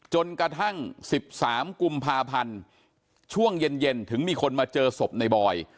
จนกระทั่ง๑๓กุมภาพันธ์ช่วงเย็นถึงมีคนมาเจอศพในบอย